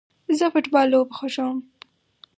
زه فټبال لوبه خوښوم